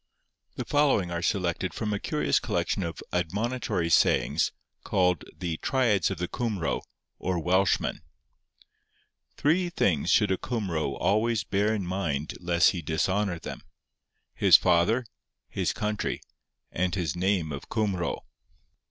The following are selected from a curious collection of admonitory sayings, called the 'Triads of the Cumro, or Welshman:'— 'Three things should a Cumro always bear in mind lest he dishonour them: his father, his country, and his name of Cumro.